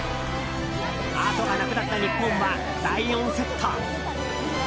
後がなくなった日本は第４セット。